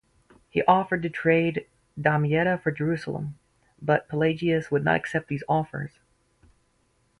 He offered to trade Damietta for Jerusalem, but Pelagius would not accept these offers.